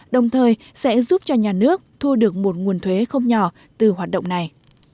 đồng thời sẽ giúp cho nhà nước thu được một nguồn thuế không nhỏ từ hoạt động này